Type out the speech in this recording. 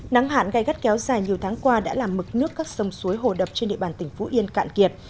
nắng hạn gai gắt kéo dài nhiều tháng qua đã làm mực nước các sông suối hồ đập trên địa bàn tỉnh phú yên cạn kiệt